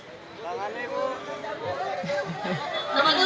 tunggu tunggu tunggu